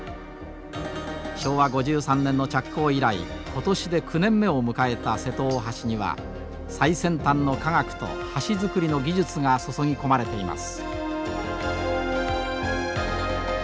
昭和５３年の着工以来今年で９年目を迎えた瀬戸大橋には最先端の科学と橋造りの技術が注ぎ込まれています。